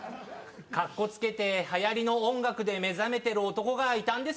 かっこつけて流行りの音楽で目覚めてる男がいたんですよ。